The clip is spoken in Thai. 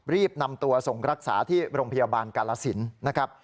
รีบนำตัวส่งรักษาที่โรงพยาบาลกาลสินนะครับ